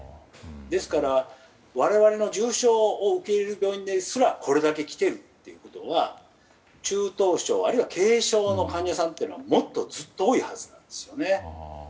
ですから我々の重症を受け入れる病院ですらこれだけ来ているということが中等症あるいは軽症の患者さんはもっとずっと多いはずですよね。